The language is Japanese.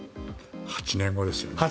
８年後ですよね。